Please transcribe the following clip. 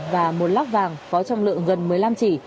và một lóc vàng có trong lượng gần một mươi năm trị